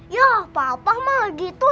ya papa mah gitu